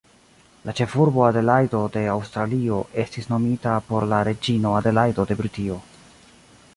La ĉefurbo Adelajdo de Aŭstralio estis nomita por la reĝino Adelajdo de Britio.